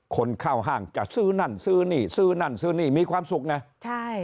คนเข้าห้างจะซื้อนั่นซื้อนี่ซื้อนั่นซื้อนี่มีความสุขไงใช่